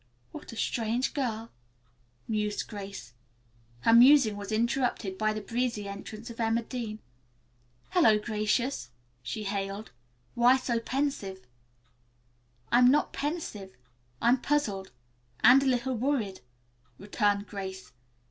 "What a strange girl," mused Grace. Her musing was interrupted by the breezy entrance of Emma Dean. "Hello, Gracious," she hailed. "Why so pensive?" "I'm not pensive. I'm puzzled, and a little worried," returned Grace.